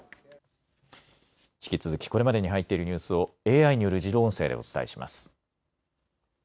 引き続きこれまでに入っているニュースをＡＩによる自動音声でお伝えします。